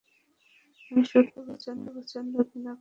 আমি সত্যিই তোকে প্রচন্ড ঘৃনা করতে শুরু করেছি।